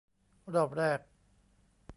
รอบแรก